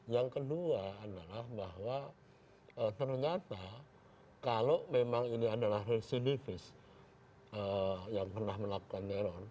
yang kedua adalah bahwa ternyata kalau memang ini adalah hirsidifis yang pernah melakukannya